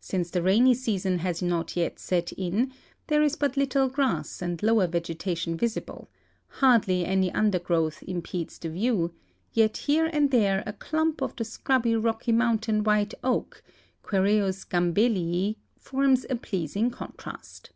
Since the rainy season has not yet set in, there is but little grass and lower vegetation visible ; hardly any undergrowth impedes the view ; yet here and there a u 210 THE FORESTS AND DESERTS OF ARIZONA clump of the scrubby Rock}^ mountain white oak (Quercus gam belii) forms a pleasing contrast.